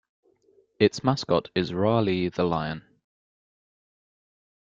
Its mascot is Rah-Lee the Lion.